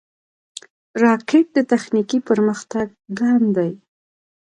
راکټ د تخنیکي پرمختګ ګام دی